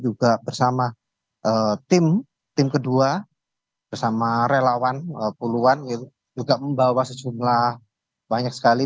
juga bersama tim tim kedua bersama relawan puluhan juga membawa sejumlah banyak sekali